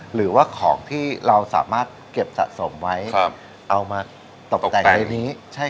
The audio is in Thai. หรือว่าของที่เราสามารถเก็บสะสมไว้เอามาตกแต่งในนี้